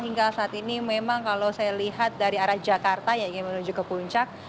hingga saat ini memang kalau saya lihat dari arah jakarta yang ingin menuju ke puncak